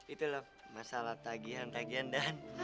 itulah masalah tagihan tagihan dan